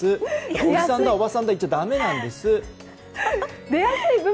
おじさんとかおばさんとか言っちゃだめなんです！